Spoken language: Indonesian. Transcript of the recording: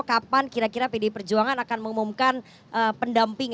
kapan kira kira pdi perjuangan akan mengumumkan pendamping